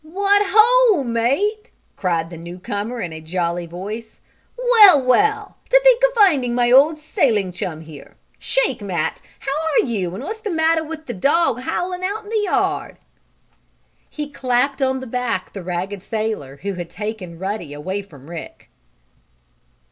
"What ho, mate!" cried the newcomer in a jolly voice. "Well, well! To think of finding my old sailing chum here! Shake, Matt! How are you and what's the matter with the dog howling out in the yard?" He clapped on the back the ragged sailor who had taken Ruddy away from Rick.